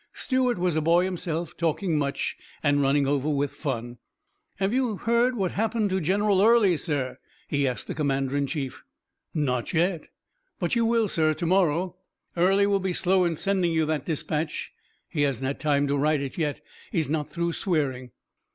Stuart was a boy himself, talking much and running over with fun. "Have you heard what happened to General Early, sir?" he asked the commander in chief. "Not yet." "But you will, sir, to morrow. Early will be slow in sending you that dispatch. He hasn't had time to write it yet. He's not through swearing."